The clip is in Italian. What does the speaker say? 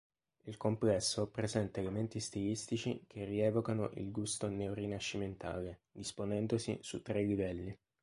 Il complesso presenta elementi stilistici che rievocano il gusto neorinascimentale, disponendosi su tre livelli.